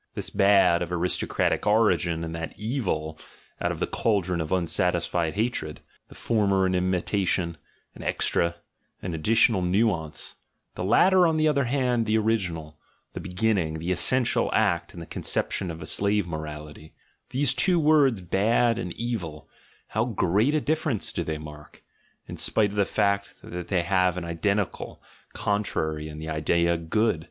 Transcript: This "bad" of aristocratic origin and that "evil" out of the cauldron of unsatisfied hatred — the former an imitation, an "extra," an additional nuance; the latter, on the other hand, the original, the beginning, the essential act in the conception of a slave morality — these two words "bad" and "evil," how great a difference do they mark, in spite of the fact that they have an identical contrary in the idea "good."